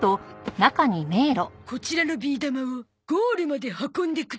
こちらのビー玉をゴールまで運んでください。